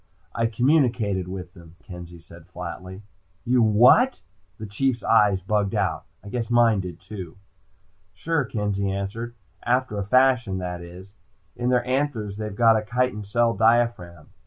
"I communicated with them," Kenzie said flatly. "You what?" The Chief's eyes bugged out. I guess mine did too. "Sure," Kenzie answered. "After a fashion, that is. In their anthers they've got a chitin cell diaphragm.